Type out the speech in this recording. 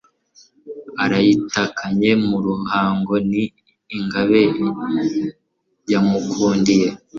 Arayitakanye mu Ruhango Ni ingabe yamukundiye